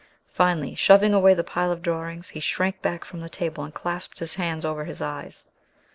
Finally, shoving away the pile of drawings, he shrank back from the table and clasped his hands over his eyes.